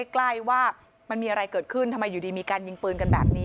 ใกล้ว่ามันมีอะไรเกิดขึ้นทำไมอยู่ดีมีการยิงปืนกันแบบนี้